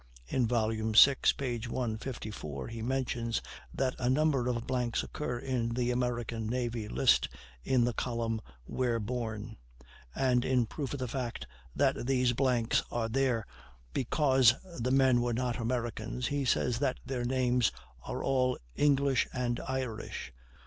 In vol. vi, p. 154, he mentions that a number of blanks occur in the American Navy List in the column "Where Born"; and in proof of the fact that these blanks are there because the men were not Americans, he says that their names "are all English and Irish."